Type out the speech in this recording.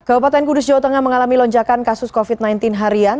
kabupaten kudus jawa tengah mengalami lonjakan kasus covid sembilan belas harian